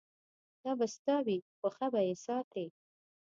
دا به ستا وي خو ښه به یې ساتې.